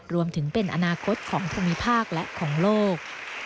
รวมถึงเป็นอนาคตของภูมิภาคและของโลก